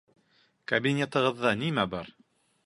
Кабинетығыҙҙа нимә бар?